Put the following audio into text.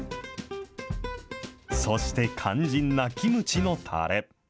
そして肝心なキムチのたれ。